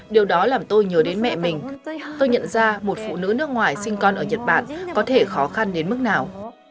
điều đó làm tôi nhớ đến mẹ mình tôi nhận ra một phụ nữ nước ngoài sinh con ở nhật bản có thể khó khăn đến mức nào